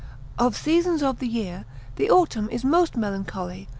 Of seasons of the year, the autumn is most melancholy.